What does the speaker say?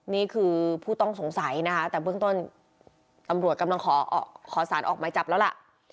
นี่คือผู้ต้องสงสัยนะคะแต่เบื้องต้นตำรวจกำลังขอสารออกหมายจับแล้วล่ะ